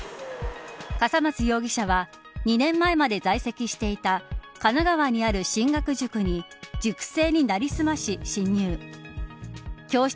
笠松容疑者は２年前まで在籍していた神奈川にある進学塾に塾生になりすまし、侵入。